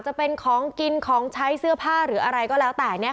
จะเป็นของกินของใช้เสื้อผ้าหรืออะไรก็แล้วแต่